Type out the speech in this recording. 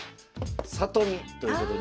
里見ということで。